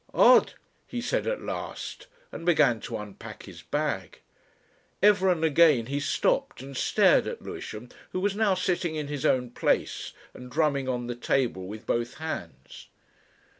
"Odd!" he said at last, and began to unpack his bag. Ever and again he stopped and stared at Lewisham, who was now sitting in his own place and drumming on the table with both hands.